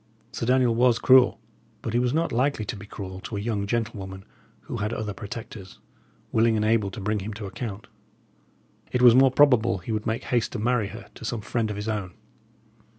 Sir Daniel was cruel, but he was not likely to be cruel to a young gentlewoman who had other protectors, willing and able to bring him to account. It was more probable he would make haste to marry her to some friend of his own.